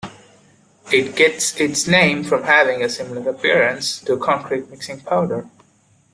It gets its name from having a similar appearance to concrete mixing powder.